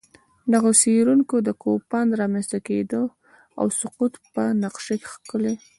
دغو څېړونکو د کوپان رامنځته کېدا او سقوط په نقشه کښلي